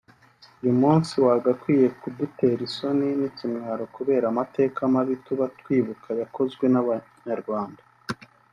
“Uyu munsi wagakwiye kudutera isoni n’ikimwaro kubera amateka mabi tuba twibuka yakozwe n’Abanyarwanda